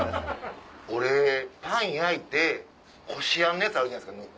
俺パン焼いてこしあんのあるじゃないですか。